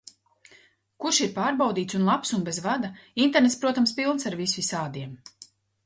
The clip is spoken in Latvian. Kurš ir pārbaudīts un labs un bez vada? Internets, protams, pilns ar visvisādiem...